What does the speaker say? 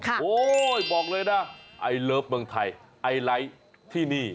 โอ้ยบอกเลยนะไอเลิฟเมืองไทยไอไลท์ที่นี่